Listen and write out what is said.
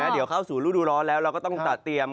เดี๋ยวเข้าสู่ฤดูร้อนแล้วเราก็ต้องจัดเตรียม